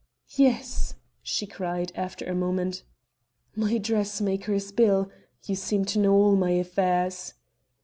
"Yes," she cried, after a moment; "my dressmaker's bill. You seem to know all my affairs."